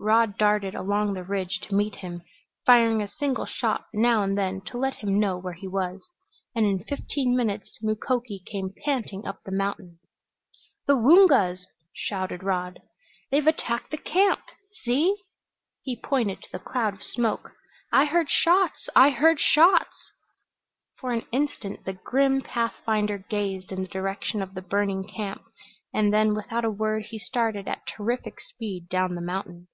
Rod darted along the ridge to meet him, firing a single shot now and then to let him know where he was, and in fifteen minutes Mukoki came panting up the mountain. "The Woongas!" shouted Rod. "They've attacked the camp! See!" He pointed to the cloud of smoke. "I heard shots I heard shots " For an instant the grim pathfinder gazed in the direction of the burning camp, and then without a word he started at terrific speed down the mountain.